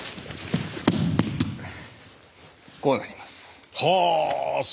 こうなります。